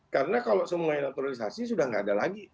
karena kalau semuanya naturalisasi sudah nggak ada lagi